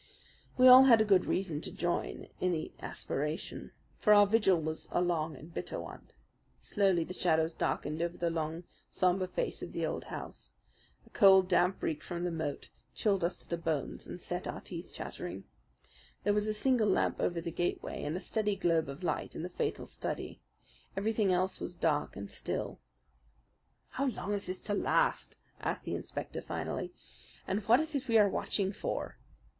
We all had good reason to join in the aspiration; for our vigil was a long and bitter one. Slowly the shadows darkened over the long, sombre face of the old house. A cold, damp reek from the moat chilled us to the bones and set our teeth chattering. There was a single lamp over the gateway and a steady globe of light in the fatal study. Everything else was dark and still. "How long is this to last?" asked the inspector finally. "And what is it we are watching for?"